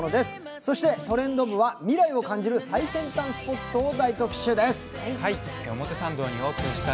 そして「トレンド部」は未来を感じる最先端スポットを大特集です。